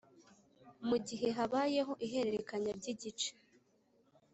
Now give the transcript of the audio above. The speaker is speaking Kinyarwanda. Mu gihe habayeho ihererekanya ry igice